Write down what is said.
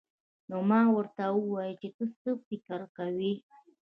نو ما ورته وويل چې ته څه فکر کوې.